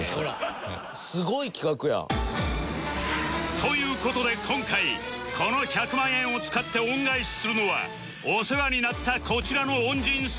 という事で今回この１００万円を使って恩返しするのはお世話になったこちらの恩人３名